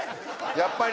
やっぱり。